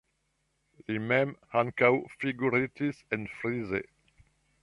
Li mem ankaŭ figuritis enfrise.